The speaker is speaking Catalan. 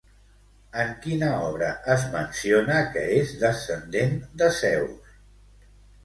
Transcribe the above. En quina obra es menciona que és descendent de Zeus?